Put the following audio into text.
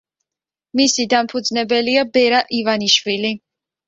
მისი დამფუძნებელია ბერა ივანიშვილი.